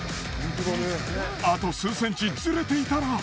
あと数センチずれていたら。